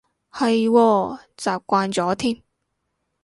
係喎，習慣咗添